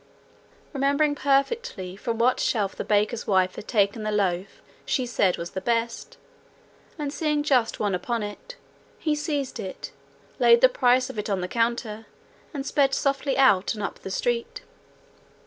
Remembering perfectly from what shelf the baker's wife had taken the loaf she said was the best, and seeing just one upon it, he seized it, laid the price of it on the counter, and sped softly out, and up the street.